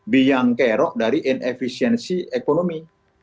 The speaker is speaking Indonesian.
biang kerok dari inefisiensi ekonomi